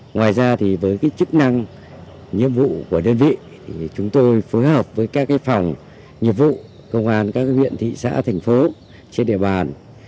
ngoài ra thì với chức năng nhiệm vụ của đơn vị chúng tôi phối hợp với các phòng nghiệp vụ công an các huyện thị xã thành phố trên địa bàn